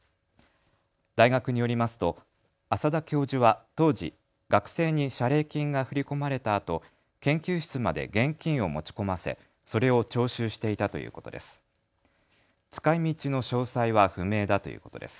大学によりますと浅田教授は当時、学生に謝礼金が振り込まれたあと研究室まで現金を持ち込ませ、それを徴収していたということです。